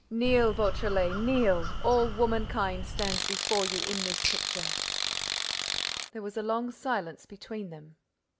Kneel, Beautrelet, kneel; all womankind stands before you in this picture." There was a long silence between them.